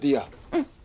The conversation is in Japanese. うん。